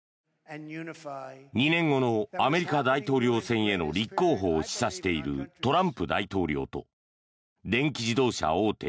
２年後のアメリカ大統領選への立候補を示唆しているトランプ大統領と電気自動車大手